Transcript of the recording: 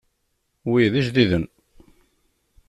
Wi d ijdiden.